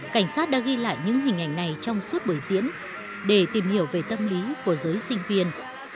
cảnh sát đã ghi lại những hình ảnh này trong suốt buổi diễn để tìm hiểu về tâm lý của giới sinh viên